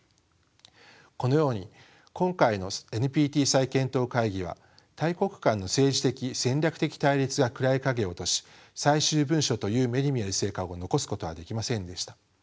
このように今回のＮＰＴ再検討会議は大国間の政治的戦略的対立が暗い影を落とし最終文書という目に見える成果を残すことはできませんでした。